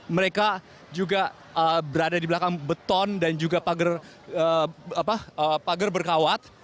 mereka juga berada di belakang beton dan juga pagar berkawat